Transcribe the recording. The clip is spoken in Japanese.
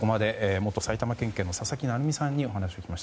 元埼玉県警の佐々木成三さんにお話を聞きました。